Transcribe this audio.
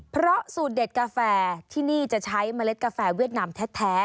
เพราะสูตรเด็ดกาแฟที่นี่จะใช้เมล็ดกาแฟเวียดนามแท้